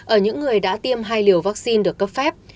ở những người đã tiêm hai liều vaccine được cấp phép